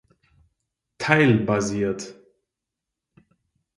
Teil basiert.